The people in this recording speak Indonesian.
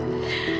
kalian suka gr ya